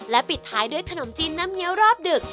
ปิดท้ายด้วยขนมจีนน้ำเงี้ยวรอบดึก